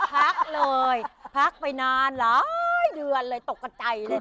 พักเลยพักไปนานหลายเดือนเลยตกกระใจเลย